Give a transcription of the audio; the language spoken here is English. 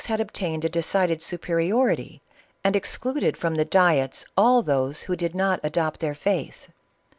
417 had obtained a decided superiority, and excluded from the diets all those who did not adopt their faith.